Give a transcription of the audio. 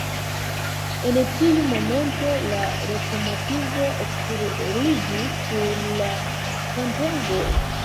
En tiu momento la lokomotivo ekruliĝis sur la pontego.